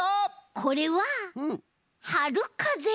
これははるかぜいろ。